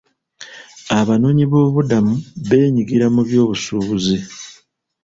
Abanoonyiboobubudamu beenyigira mu byobusuubuzi.